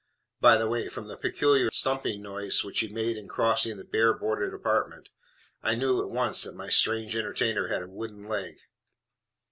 By the way, from the peculiar stumping noise which he made in crossing the bare boarded apartment, I knew at once that my strange entertainer had a wooden leg.